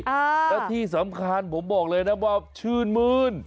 แล้วที่สำคัญผมบอกเลยนะว่าชื่นมืน